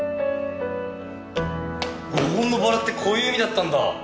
５本のバラってこういう意味だったんだ！